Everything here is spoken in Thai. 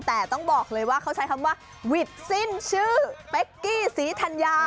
แต่ต้องบอกเลยว่าเขาใช้คำว่าวิทย์สิ้นชื่อเป๊กกี้ศรีธัญญา